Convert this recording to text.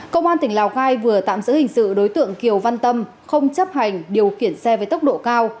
công an tỉnh lào cai vừa tạm giữ hình sự đối tượng kiều văn tâm không chấp hành điều khiển xe với tốc độ cao